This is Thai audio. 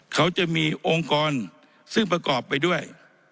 เขาจะมีองค์กรซึ่งประกอบไปด้วย